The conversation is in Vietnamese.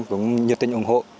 cũng nhiệt tình ủng hộ